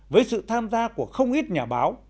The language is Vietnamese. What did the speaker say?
với sự tham gia của không ít nhà báo